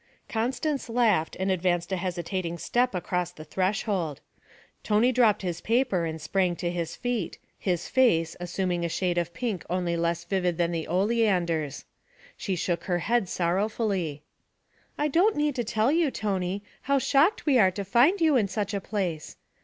Constance laughed and advanced a hesitating step across the threshold. Tony dropped his paper and sprang to his feet, his face, assuming a shade of pink only less vivid than the oleanders. She shook her head sorrowfully. 'I don't need to tell you, Tony, how shocked we are to find you in such a place.